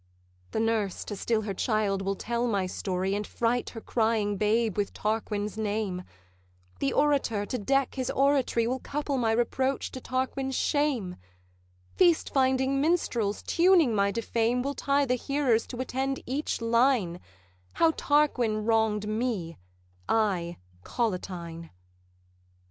'The nurse, to still her child, will tell my story And fright her crying babe with Tarquin's name; The orator, to deck his oratory, Will couple my reproach to Tarquin's shame; Feast finding minstrels, tuning my defame, Will tie the hearers to attend each line, How Tarquin wronged me, I Collatine.